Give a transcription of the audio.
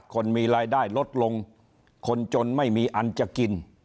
คนมีรายได้ลดลงคนจนไม่มีอันจะกิน